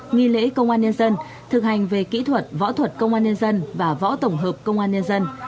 nghi lễ công an nhân dân thực hành về kỹ thuật võ thuật công an nhân dân và võ tổng hợp công an nhân dân